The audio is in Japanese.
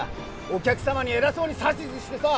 お客様に偉そうに指図してさ。